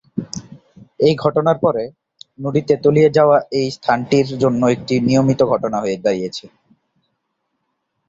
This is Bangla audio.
এই ঘটনার পরে, নদীতে তলিয়ে যাওয়া এই স্থানটির জন্য একটি নিয়মিত ঘটনা হয়ে দাঁড়িয়েছিল।